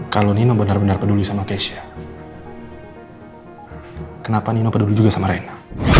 kalau nino benar benar peduli sama keisha kenapa nino peduli juga sama rena